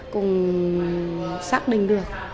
cùng xác định được